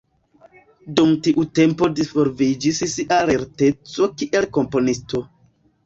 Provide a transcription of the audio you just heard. Dum tiu tempo disvolviĝis ŝia lerteco kiel komponisto.